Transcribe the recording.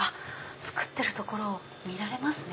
作ってるところを見られますね